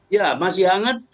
ya masih hangat